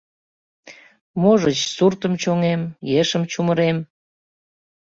Можыч, суртым чоҥем, ешым чумырем...